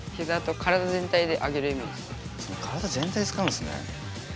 体全体使うんっすね。